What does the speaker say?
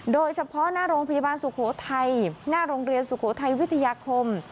โดยเฉพาะหน้าโรงพยาบาลสุโขทัยหน้าโรงเรียนสุโขทัยวิทยาคม